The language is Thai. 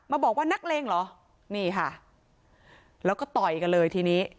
บอกว่านักเลงเหรอนี่ค่ะแล้วก็ต่อยกันเลยทีนี้